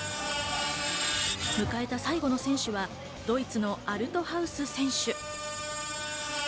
迎えた最後の選手はドイツのアルトハウス選手。